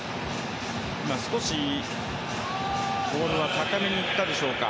今、少しボールは高めにいったでしょうか。